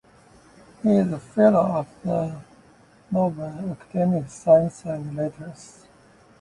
He is a fellow of the Norwegian Academy of Science and Letters.